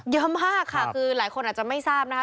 เยอะมากค่ะคือหลายคนอาจจะไม่ทราบนะคะ